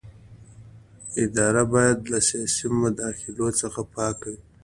اداره باید له سیاسي مداخلو څخه پاکه وي.